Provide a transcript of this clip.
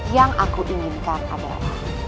yang aku inginkan adalah